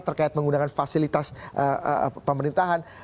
terkait menggunakan fasilitas pemerintahan